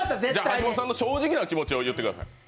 橋本さんの正直な気持ちを言ってください。